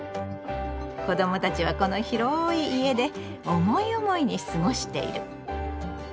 子どもたちはこの広い家で思い思いに過ごしている。